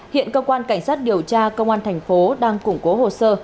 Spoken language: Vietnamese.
hiện cơ quan cảnh sát điều tra công an thành phố đang củng cố hồ sơ